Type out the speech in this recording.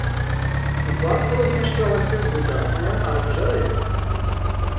У парку размяшчалася выдатная аранжарэя.